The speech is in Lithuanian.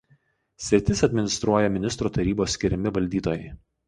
Sritis administruoja Ministrų Tarybos skiriami valdytojai.